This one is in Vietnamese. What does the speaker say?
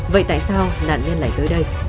vậy tại sao nạn nhân lại tới đây